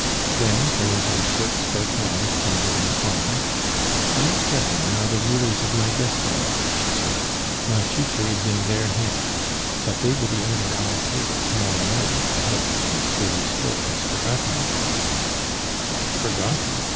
Then, turning to a short, stout man standing in a corner, "These gentlemen are the rulers of my destiny," she said, "my future is in their hands; but they will be under our table to morrow morning, I hope, if M. Lousteau has forgotten nothing " "Forgotten!